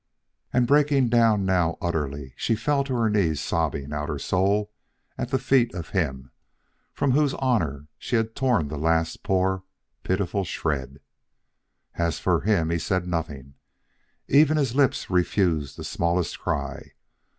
And breaking down now utterly, she fell on her knees sobbing out her soul at the feet of him from whose honor she had torn the last poor, pitiful shred. As for him, he said nothing; even his lips refused the smallest cry.